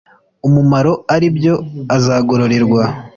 umumaro ari byo azagororerwa